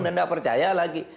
dan tidak percaya lagi